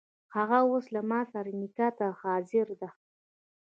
هغه اوس له ماسره نکاح ته حاضره ده.